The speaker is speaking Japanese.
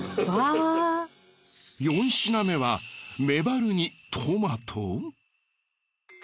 ４品目はメバルにトマト！？